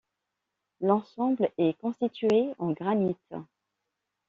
L'ensemble est constitué en granite.